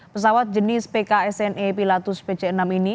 pesawat jenis pksne pilatus pc enam ini